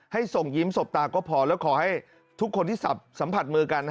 ส่งยิ้มสบตาก็พอแล้วขอให้ทุกคนที่สัมผัสมือกัน